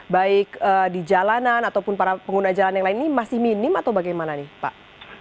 baik di jalanan ataupun para pengguna jalan yang lain ini masih minim atau bagaimana nih pak